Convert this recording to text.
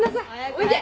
おいで！